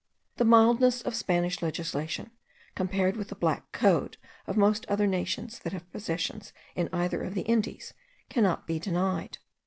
The mildness of Spanish legislation, compared with the Black Code of most other nations that have possessions in either of the Indies, cannot be denied.